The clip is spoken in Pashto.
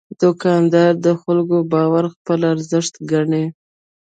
دوکاندار د خلکو باور خپل ارزښت ګڼي.